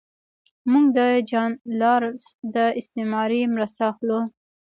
موږ د جان رالز د استعارې مرسته اخلو.